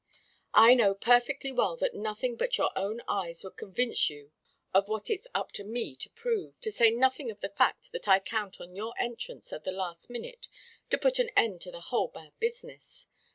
"I know perfectly well that nothing but your own eyes would convince you of what it's up to me to prove to say nothing of the fact that I count on your entrance at the last minute to put an end to the whole bad business.